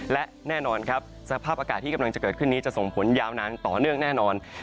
และแน่นอนครับสภาพอากาศที่กำลังจะเกิดขึ้นนี้จะส่งผลยาวนานต่อเนื่องแน่นอน